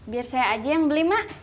biar saya aja yang beli mak